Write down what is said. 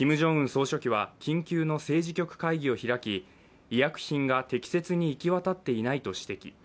総書記は緊急の政治局会議を開き医薬品が適切に行き渡っていないと指摘。